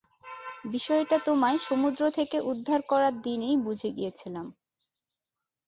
বিষয়টা তোমায় সমুদ্র থেকে উদ্ধার করার দিনেই বুঝে গিয়েছিলাম।